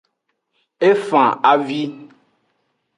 E fan avi.